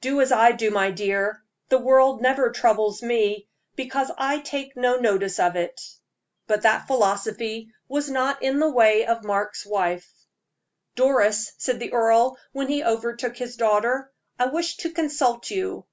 "Do as I do, my dear; the world never troubles me, because I take no notice of it." But that philosophy was not in the way of Mark's wife. "Doris," said the earl, when he overtook his daughter, "I wish to consult you."